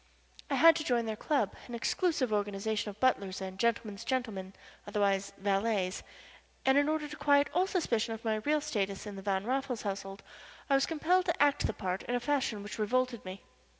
I had to join their club an exclusive organization of butlers and "gentlemen's gentlemen" otherwise valets and in order to quiet all suspicion of my real status in the Van Raffles household I was compelled to act the part in a fashion which revolted me.